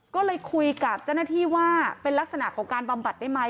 ก็เลยคุยกับเจ้าหน้าที่ว่าเป็นลักษณะของการบำบัดได้ไหม